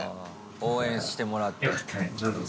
応援してもらって。